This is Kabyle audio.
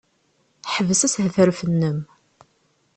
Ḥbes ashetref-nnem!